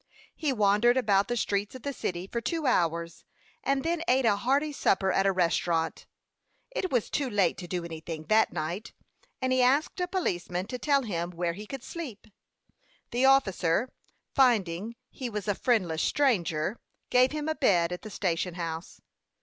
He wandered about the streets of the city for two hours, and then ate a hearty supper at a restaurant. It was too late to do anything that night, and he asked a policeman to tell him where he could sleep. The officer, finding he was a friendless stranger, gave him a bed at the station house.